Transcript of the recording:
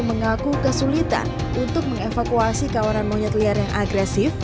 mengaku kesulitan untuk mengevakuasi kawanan monyet liar yang agresif